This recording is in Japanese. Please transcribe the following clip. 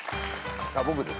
僕ですか。